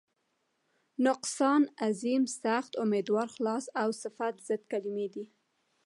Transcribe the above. نقصان، عظیم، سخت، امیدوار، خلاص او صفت ضد کلمې دي.